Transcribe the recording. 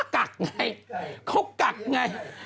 เขากักไง